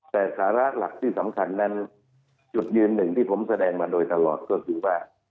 แต่สาระหลักที่สำคัญนั้นจุดยืนหนึ่งที่ผมแสดงมาโดยตลอดก็คือว่า